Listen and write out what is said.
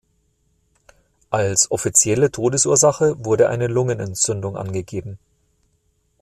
Als offizielle Todesursache wurde eine Lungenentzündung angegeben.